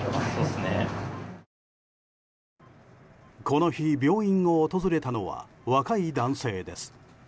この日、病院を訪れたのは若い男性です。